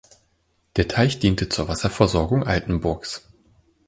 Der Teich diente zur Wasserversorgung Altenburgs.